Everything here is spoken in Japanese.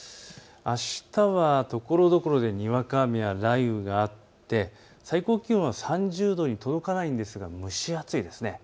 あしたはところどころでにわか雨や雷雨があって最高気温は３０度に届かないんですが蒸し暑いです。